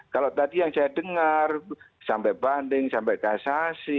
kalau tadi yang saya dengar sampai banding sampai kasasi